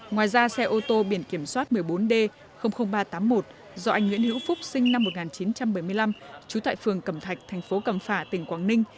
ngoài ra xe ô tô biển kiểm soát một mươi bốn d ba trăm tám mươi một do anh nguyễn hữu phúc sinh năm một nghìn chín trăm bảy mươi năm trú tại phường cẩm thạch thành phố cẩm phả tỉnh quảng ninh